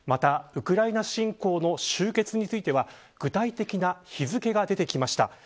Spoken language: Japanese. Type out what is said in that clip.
ウクライナ侵攻の終結については具体的な日付が出てきました。